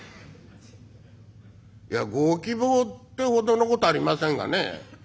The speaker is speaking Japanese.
「いやご希望ってほどのことはありませんがね